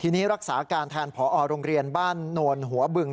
ทีนี้รักษาการแทนผอโรงเรียนบ้านโนนหัวบึง